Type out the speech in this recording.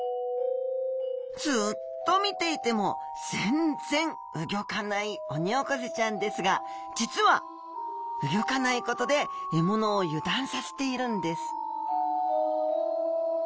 ずっと見ていても全然動かないオニオコゼちゃんですが実は動かないことで獲物を油断させているんです